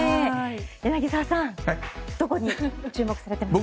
柳澤さんどこに注目されてますか。